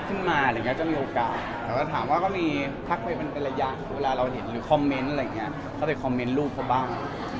นี้มันอยู่ช่วงช่วงนี้หรอคลิปจริงแล้วทำไมมันเกล้ากัน